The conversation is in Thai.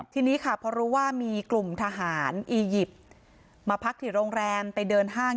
ทีนี้ค่ะพอรู้ว่ามีกลุ่มทหารอียิปต์มาพักที่โรงแรมไปเดินห้าง